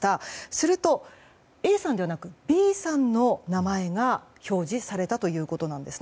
するとＡさんではなくＢさんの名前が表示されたということなんです。